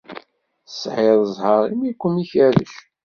Tesɛiḍ zzheṛ imi ur kem-ikerrec.